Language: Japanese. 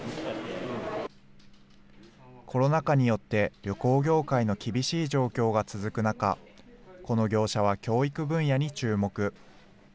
コロナ禍によって旅行業界の厳しい状況が続く中、この業者は教育分野に注目。